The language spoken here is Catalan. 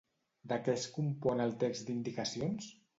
De què es compon el text d'indicacions?